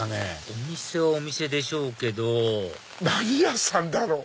お店はお店でしょうけど何屋さんだろう？